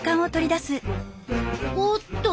おっと！？